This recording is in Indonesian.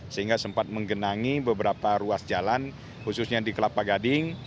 sehingga sempat menggenangi beberapa ruas jalan khususnya di kelapa gading